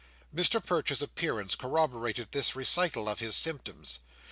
Mr Perch's appearance corroborated this recital of his symptoms.